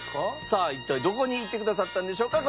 さあ一体どこに行ってくださったんでしょうか？